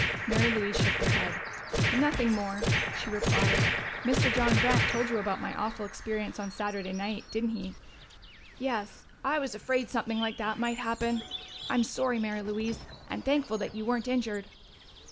Mary Louise shook her head. "Nothing more," she replied. "Mr. John Grant told you about my awful experience on Saturday night, didn't he?" "Yes. I was afraid something like that might happen. I'm sorry, Mary Louise, and thankful that you weren't injured."